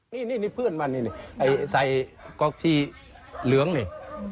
นี่นี่เพื่อนมันใส่ก๊อกที่เหลืองเนี่ย